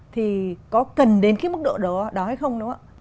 thì có cần đến cái mức độ đó đó hay không đúng không ạ